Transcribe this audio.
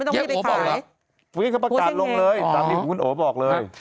เขาบอกมีเงินพอไม่ต้องให้ไปขาย